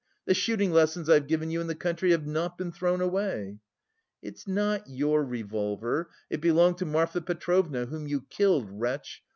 The shooting lessons I've given you in the country have not been thrown away." "It's not your revolver, it belonged to Marfa Petrovna, whom you killed, wretch!